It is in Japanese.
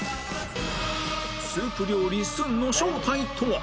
スープ料理の正体とは？